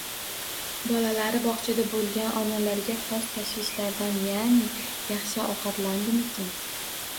Bolalari bog‘chada bo‘lgan onalarga xos tashvish-lardan, ya’ni “Yaxshi ovqatlandimikin?”